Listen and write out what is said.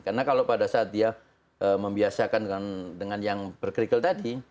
karena kalau pada saat dia membiasakan dengan yang berkerikel tadi